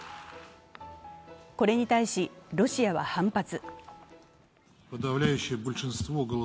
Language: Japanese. これに対し、ロシアは反発。